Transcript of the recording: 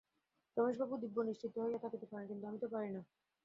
রমেশবাবু দিব্য নিশ্চিন্ত হইয়া থাকিতে পারেন, কিন্তু আমি তো পারি না।